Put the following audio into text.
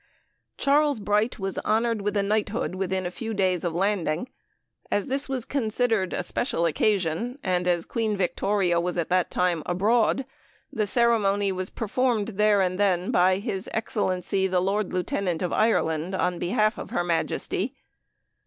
Charles Bright was honored with a knighthood within a few days of landing. As this was considered a special occasion, and as Queen Victoria was at that time abroad, the ceremony was performed there and then by his Excellency the Lord Lieutenant of Ireland on behalf of her Majesty.